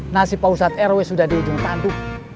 nasib pusat rw sudah di ujung tandu